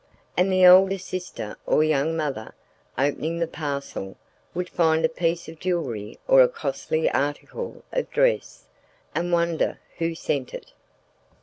And the elder sister or young mother, opening the parcel, would find a piece of jewellery or a costly article of dress, and wonder who sent it.